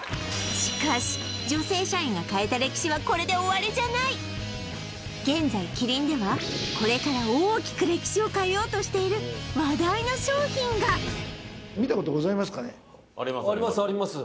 しかし女性社員が変えた歴史はこれで終わりじゃない現在キリンではこれから大きく歴史を変えようとしている話題の商品が！ありますありますあります